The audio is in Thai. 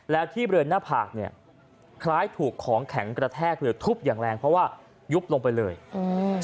แล้วที่บริเวณหน้าผากเนี้ยคล้ายถูกของแข็งกระแทกเลยทุบอย่างแรงเพราะว่ายุบลงไปเลยอืม